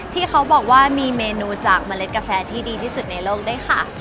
ที่เขาบอกว่ามีเมนูจากเมล็ดกาแฟที่ดีที่สุดในโลกด้วยค่ะ